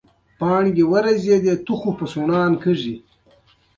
ما وويل يه تبه خو مې نه وه.